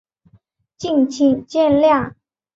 敬请见谅